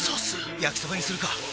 焼きそばにするか！